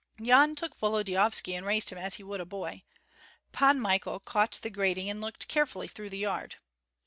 Yan took Volodyovski and raised him as he would a boy. Pan Michael caught the grating, and looked carefully through the yard.